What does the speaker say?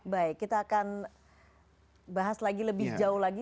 baik kita akan bahas lagi lebih jauh lagi